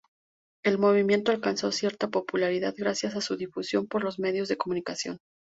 El movimiento alcanzó cierta popularidad gracias a su difusión por los medios de comunicación.